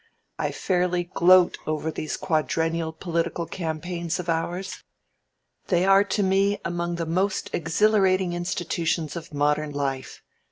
I fairly gloat over these quadrennial political campaigns of ours. They are to me among the most exhilarating institutions of modern life.